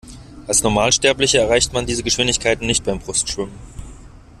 Als Normalsterblicher erreicht man diese Geschwindigkeiten nicht beim Brustschwimmen.